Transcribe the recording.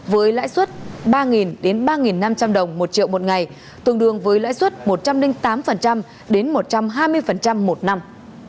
với lãi suất ba đến ba năm trăm linh đồng một triệu một ngày tương đương với lãi suất một trăm linh tám đến một trăm hai mươi một năm